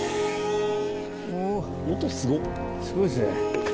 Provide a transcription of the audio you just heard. すごいですね。